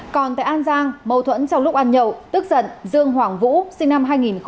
còn tại an giang mâu thuẫn trong lúc ăn nhậu tức giận dương hoàng vũ sinh năm hai nghìn